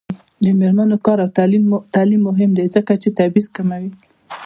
د میرمنو کار او تعلیم مهم دی ځکه چې تبعیض کموي.